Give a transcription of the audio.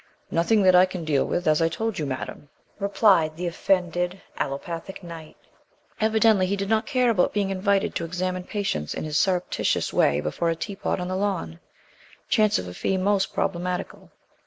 "Nothing that I can deal with, as I told you, Madam," replied the offended allopathic Knight. Evidently he did not care about being invited to examine patients in this surreptitious way before a teapot on the lawn, chance of a fee most problematical.